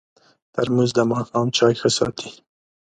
ترموز د ماښام چای ښه ساتي.